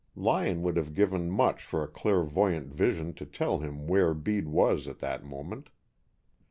Lyon would have given much for a clairvoyant vision to tell him where Bede was at that moment.